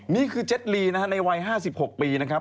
นี่คือเจจลีนะคะในวัยห้าสิบหกปีนะครับ